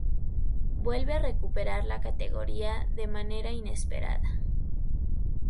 Vuelve a recuperar la categoría de manera inesperada.